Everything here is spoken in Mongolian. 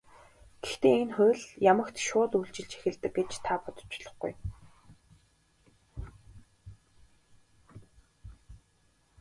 Гэхдээ энэ хууль ямагт шууд үйлчилж эхэлдэг гэж та бодож болохгүй.